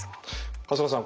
春日さん